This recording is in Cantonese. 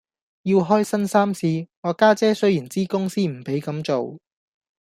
要開新衫試，我家姐雖然知公司唔俾咁做，